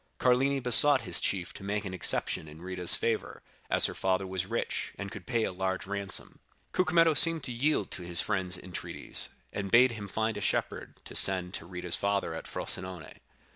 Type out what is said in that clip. Carlini besought his chief to make an exception in Rita's favor, as her father was rich, and could pay a large ransom. Cucumetto seemed to yield to his friend's entreaties, and bade him find a shepherd to send to Rita's father at Frosinone.